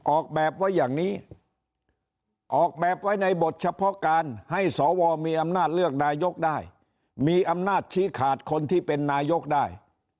ออกแบบไว้อย่างนี้ออกแบบไว้ในบทเฉพาะการให้สวมีอำนาจเลือกนายกได้มีอำนาจชี้ขาดคนที่เป็นนายกได้